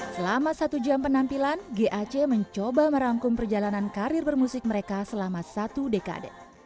selama satu jam penampilan gac mencoba merangkum perjalanan karir bermusik mereka selama satu dekade